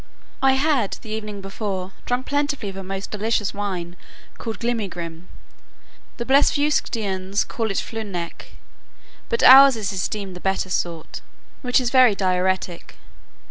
I had, the evening before, drunk plentifully of a most delicious wine called glimigrim, (the Blefuscudians call it flunec, but ours is esteemed the better sort,) which is very diuretic.